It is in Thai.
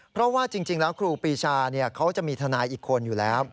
เพราะว่าจริงแล้วครูปีชาเขาจะมีทนายอีกคนอยู่แล้ว